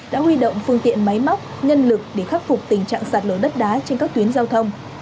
đã huy động phương tiện máy móc nhân lực để khắc phục tình trạng sạt lở đất đá trên các tuyến giao thông